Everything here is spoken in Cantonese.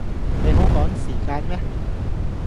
你好趕時間咩